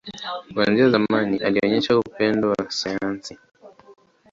Kuanzia zamani, alionyesha upendo wa sayansi.